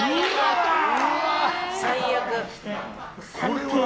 最悪。